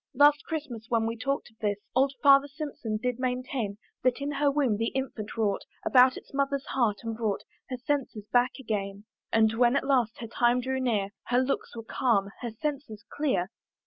Last Christmas when we talked of this, Old Farmer Simpson did maintain, That in her womb the infant wrought About its mother's heart, and brought Her senses back again: And when at last her time drew near, Her looks were calm, her senses clear.